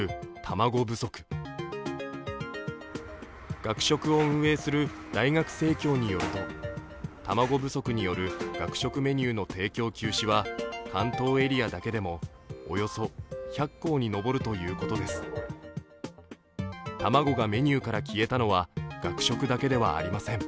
学食を運営する大学生協によると卵不足による学食メニューの提供休止は関東エリアだけでもおよそ１００校に上るということです卵がメニューから消えたのは学食だけではありません。